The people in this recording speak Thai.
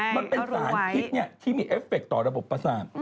มันเป็นสารพิษที่มีเอฟเฟคต่อระบบประสาท